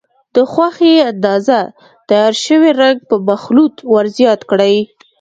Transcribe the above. د خوښې اندازه تیار شوی رنګ په مخلوط ور زیات کړئ.